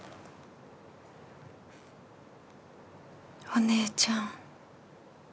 お姉ちゃん。